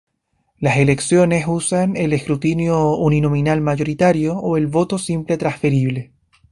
Las elecciones usan el escrutinio uninominal mayoritario o el voto simple transferible.